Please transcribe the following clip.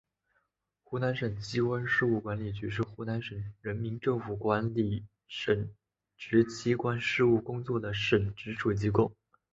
湖南省机关事务管理局是湖南省人民政府管理省直机关事务工作的省直属机构。